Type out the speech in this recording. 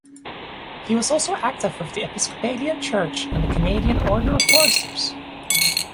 He was also active with the Episcopalian church and the Canadian Order of Foresters.